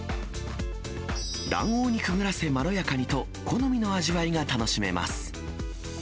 卵黄にくぐらせ、まろやかにと好みの味わいが楽しめます。